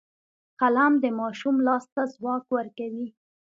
قلم د ماشوم لاس ته ځواک ورکوي